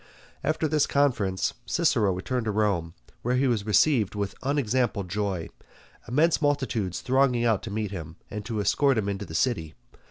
After this conference Cicero returned to Rome, where he was received with unexampled joy, immense multitudes thronging out to meet him, and to escort him into the city.